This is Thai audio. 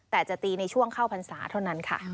แต่จะตีในช่วงเข้าพรรษาเท่านั้นค่ะ